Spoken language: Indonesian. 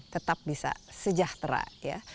tetap bisa sejahtera ya